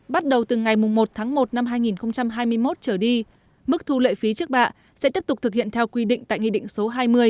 bắt đầu từ ngày một tháng một năm hai nghìn hai mươi một trở đi mức thu lệ phí trước bạ sẽ tiếp tục thực hiện theo quy định tại nghị định số hai mươi